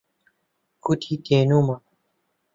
گوتی تینوومە.